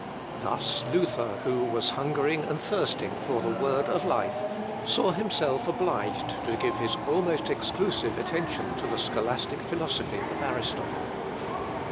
Thus Luther, who was hungering and thirsting for the word of life, saw himself obliged to give his almost exclusive attention to the scholastic philosophy of Aristotle.